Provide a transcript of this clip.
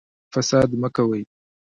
فساد مه کوئ